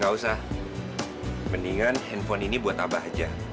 gak usah mendingan handphone ini buat abah aja